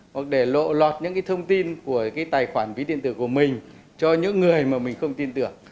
hoặc để lộ lọt những cái thông tin của cái tài khoản ví điện tử của mình cho những người mà mình không tin tưởng